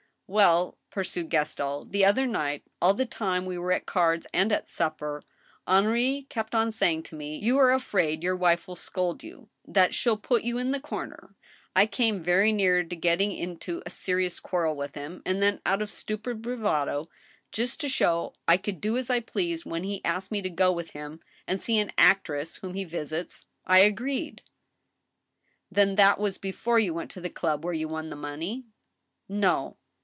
" Well," pursued Gaston, " the other night, all the time we were at cards and at supper, Henri kept on saying to me, ' You are afraid your wife will scold you — ^that she'll put you in the comer.' I came very near getting into a serious quarrel with him. ... And then, out of stupid bravado, just to show I could do as I pleased, when he asked me to go with him and see an actress whom he visits, I agreed." " Then that was before you went to the club where you won the money ?"" No.